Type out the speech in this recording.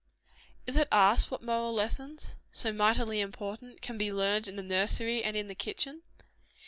Is it asked what moral lessons, so mightily important, can be learned in the nursery and in the kitchen?